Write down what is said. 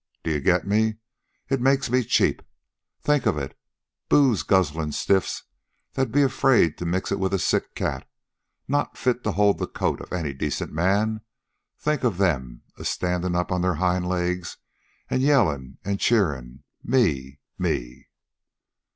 Do you get me? It makes me cheap. Think of it booze guzzlin' stiffs that 'd be afraid to mix it with a sick cat, not fit to hold the coat of any decent man, think of them a standin' up on their hind legs an' yellin' an' cheerin' me ME!"